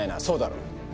そうだろ？